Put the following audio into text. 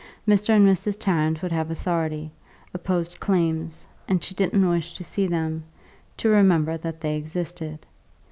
Mr. and Mrs. Tarrant would have authority, opposed claims, and she didn't wish to see them, to remember that they existed.